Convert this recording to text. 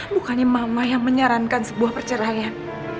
bukannya mama yang menyarankan sebuah perceraian